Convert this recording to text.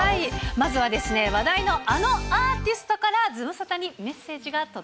まずは話題のあのアーティストからズムサタにメッセージが届